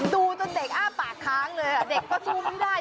ดูจนเด็กอ้าปากค้างเลยเด็กก็สู้ไม่ได้